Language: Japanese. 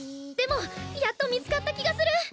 でもやっと見つかった気がする！